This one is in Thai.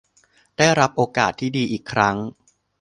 ได้รับโอกาสที่ดีอีกครั้ง